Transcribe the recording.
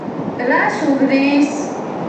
რას უდრის?